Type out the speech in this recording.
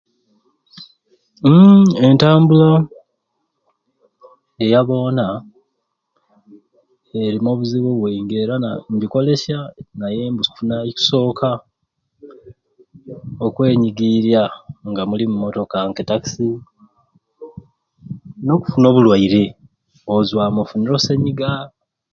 Hmmmm entambula eyabona erimu obuzibu bwingi era naa njikolesya naye mbufuna. Ekikusoka okwenyigiirya nga muli mumotoka nke takisi nokufuna obulwaire ozwamu ofunire osenyiga.